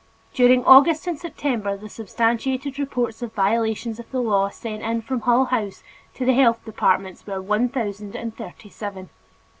During August and September the substantiated reports of violations of the law sent in from Hull House to the health department were one thousand and thirty seven.